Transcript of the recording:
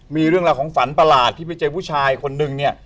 มีเรื่องราวของฝันประหลาดที่ไปเจอผู้ชายคนนึงเนี่ย